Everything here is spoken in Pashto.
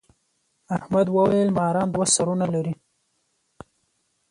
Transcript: احمد وويل: ماران دوه سرونه لري.